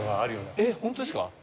えっ本当ですか？